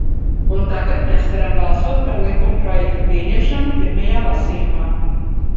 Un tagad mēs varam balsot par likumprojekta pieņemšanu pirmajā lasījumā.